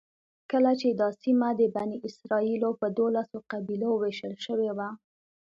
کله چې دا سیمه د بني اسرایلو په دولسو قبیلو وېشل شوې وه.